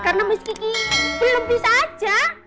karena miss kiki belum bisa aja